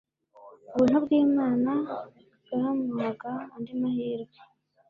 ubuntu bw'imana bwamuhaga andi mahirwe